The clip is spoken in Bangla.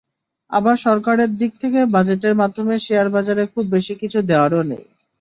আবার সরকারের দিক থেকে বাজেটের মাধ্যমে শেয়ারবাজারে খুব বেশি কিছু দেওয়ারও নেই।